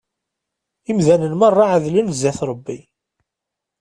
Imdanen merra εedlen zzat Rebbi.